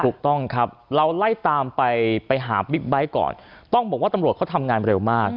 ถูกต้องครับเราไล่ตามไปไปหาบิ๊กไบท์ก่อนต้องบอกว่าตำรวจเขาทำงานเร็วมาก